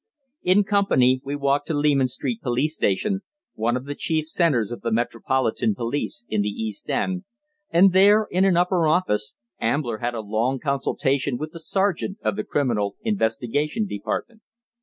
In company we walked to Leman Street Police Station, one of the chief centres of the Metropolitan Police in the East End, and there, in an upper office, Ambler had a long consultation with the sergeant of the Criminal Investigation Department.